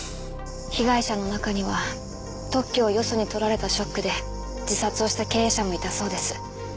被害者の中には特許をよそに取られたショックで自殺をした経営者もいたそうです。